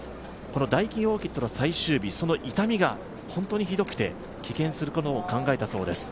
ダイキンオーキッドの最終日、痛みが本当にひどくて、棄権することも考えたそうです。